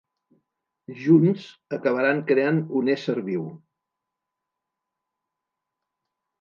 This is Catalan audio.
Junts, acabaran creant un ésser viu.